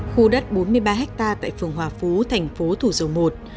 khu đất bốn mươi ba hectare tại phường hòa phú thành phố thủ dầu một